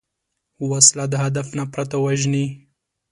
وسله د هدف نه پرته وژني